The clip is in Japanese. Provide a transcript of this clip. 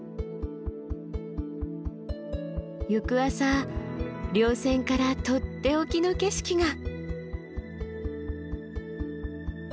翌朝稜線からとっておきの景色が。